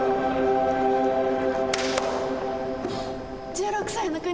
「１６歳の国」。